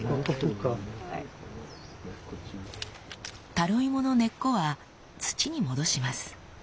タロイモの根っこは土に戻します。